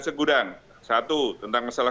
segudang satu tentang masalah